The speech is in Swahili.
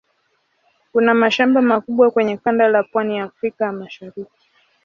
Kuna mashamba makubwa kwenye kanda la pwani ya Afrika ya Mashariki.